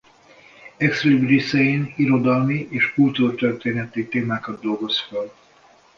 Ex librisein irodalmi és kultúrtörténeti témákat dolgoz föl.